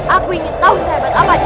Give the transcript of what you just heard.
aku ingin tahu sehebat apa nih